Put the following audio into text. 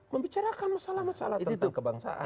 membicarakan masalah masalah tentang kebangsaan